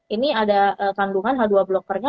ini ada kandungan h dua blockernya